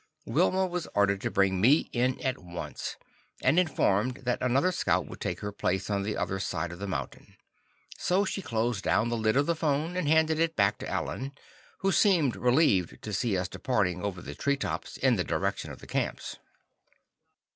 Wilma was ordered to bring me in at once, and informed that another scout would take her place on the other side of the mountain. So she closed down the lid of the phone and handed it back to Alan, who seemed relieved to see us departing over the tree tops in the direction of the camps.